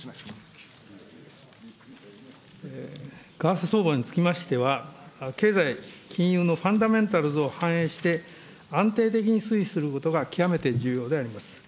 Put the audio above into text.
為替相場につきましては、経済、金融のファンダメンタルを反映して安定的に推移することが極めて重要であります。